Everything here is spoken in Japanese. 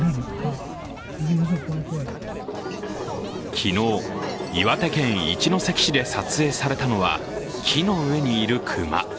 昨日、岩手県一関市で撮影されたのは木の上にいる熊。